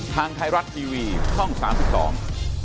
ทางไทยรัฐทีวีช่องสามสิบสอง